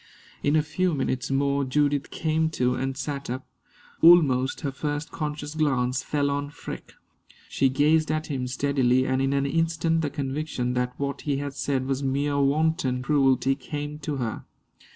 In a few minutes more Judith came to and sat up. Almost her first conscious glance fell on Freke. She gazed at him steadily, and in an instant the conviction that what he had said was mere wanton cruelty came to her.